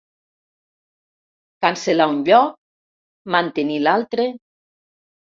Cancel·lar un lloc, mantenir l'altre.